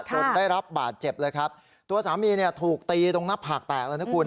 จนได้รับบาดเจ็บเลยครับตัวสามีเนี่ยถูกตีตรงหน้าผากแตกแล้วนะคุณ